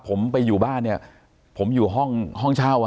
ผมไปอยู่บ้านผมอยู่ห้องเช่า